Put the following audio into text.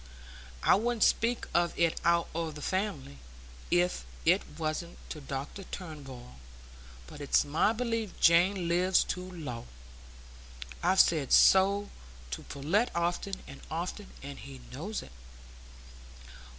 I wouldn't speak of it out o' the family, if it wasn't to Dr Turnbull; but it's my belief Jane lives too low. I've said so to Pullet often and often, and he knows it."